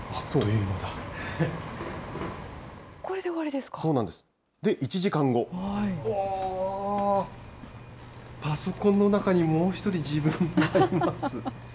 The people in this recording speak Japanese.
うわー、パソコンの中にもう一人自分がいます。